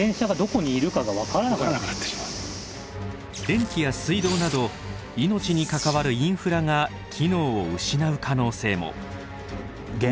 電気や水道など命に関わるインフラが機能を失う可能性も。